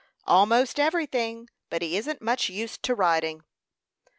"Almost everything; but he isn't much used to riding."